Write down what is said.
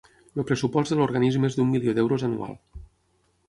El pressupost de l'organisme és d'un milió d'euros anual.